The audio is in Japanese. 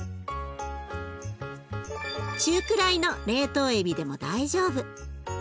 中くらいの冷凍エビでも大丈夫。